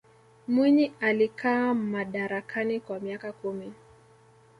mwinyi alikaa madarakani kwa miaka kumi